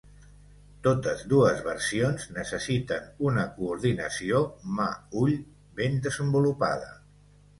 Totes dues versions necessiten una coordinació mà-ull ben desenvolupada.